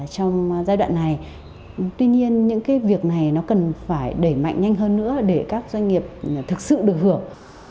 trong giai đoạn này tuy nhiên những cái việc này nó cần phải đẩy mạnh nhanh hơn nữa để các doanh nghiệp thực sự được hưởng